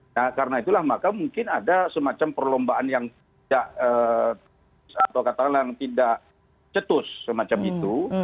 nah karena itulah maka mungkin ada semacam perlombaan yang tidak cetus semacam itu